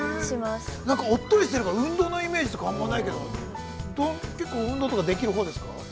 ◆なんかおっとりしてるから運動のイメージがないけど、結構運動とかできるほうですか。